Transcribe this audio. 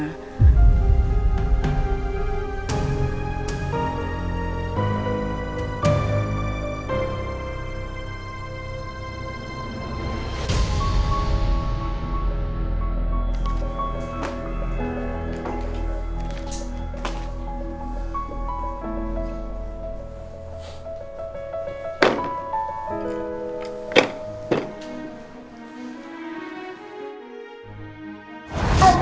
aku mau ke sekolah